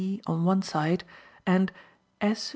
G on one side, and S.